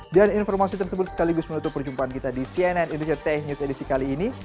dan informasi tersebut sekaligus menutup perjumpaan kita di cnn indonesia tech news edisi kali ini